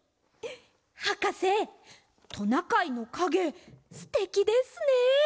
はかせトナカイのかげすてきですね！